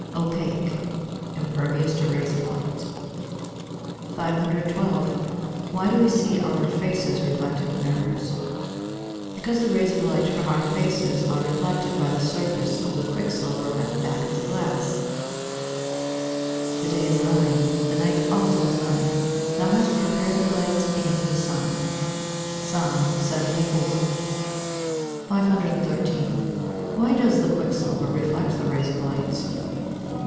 Opaque impervious to rays of light. 512. Why do we see our faces reflected in mirrors? Because the rays of light from our faces are reflected by the surface of the quicksilver at the back of the glass. [Verse: "The day is thine, the night also is thine: thou hast prepared the light and the sun." PSALM LXXIV.] 513. _Why does the quicksilver reflect the rays of light?